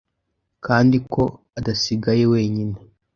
kandi ko adasigaye wenyine,